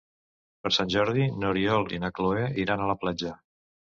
Per Sant Jordi n'Oriol i na Cloè iran a la platja.